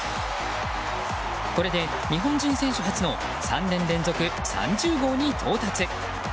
これで日本人選手初の３年連続３０号に到達。